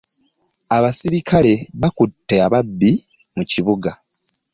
Abasirikale baakutte ababbi mu kibuga.